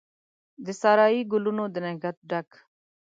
د سارایي ګلونو د نګهت ډک،